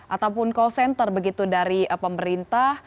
ataupun call center begitu dari pemerintah